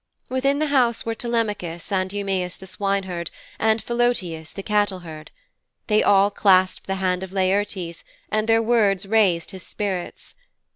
Within the house were Telemachus, and Eumæus the swineherd and Philœtius the cattleherd. They all clasped the hand of Laertes and their words raised his spirits.